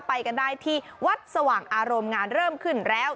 ไปกันได้ที่วัดสว่างอารมณ์งานเริ่มขึ้นแล้ว